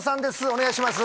お願いします